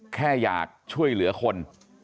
แค่อยากช่วยเหลือคน